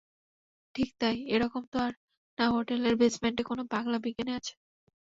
ঠিক তাই, এরকম তো আর না হোটেলের বেসমেন্টে কোনো পাগলা বিজ্ঞানী আছে।